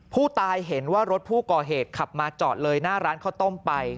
เห็นว่ารถผู้ก่อเหตุขับมาจอดเลยหน้าร้านข้าวต้มไป